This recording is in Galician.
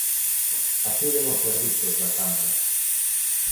Axuden os servizos da Cámara.